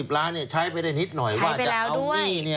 ล้านใช้ไปได้นิดหน่อยว่าจะเอาหนี้